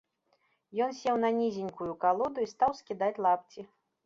Ён сеў на нізенькую калоду і стаў скідаць лапці.